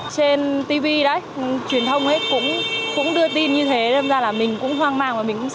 trên tv đấy truyền thông hết cũng đưa tin như thế nên mình cũng hoang mang và mình cũng sợ